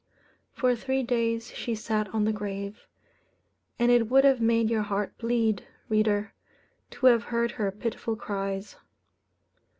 For three days she sat on the grave; and it would have made your heart bleed, reader, to have heard her pitiful cries.